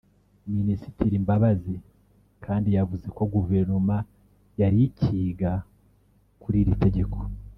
Minisitiri Mbabazi kandi yavuze ko Guverinoma yari ikiga kuri iri tegeko